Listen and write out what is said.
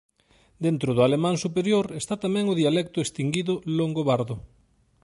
Dentro do alemán superior está tamén o dialecto extinguido longobardo.